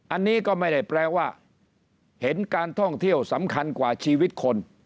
อันนี้ก็ไม่ได้แปลว่าเห็นการท่องเที่ยวสำคัญกว่าชีวิตคน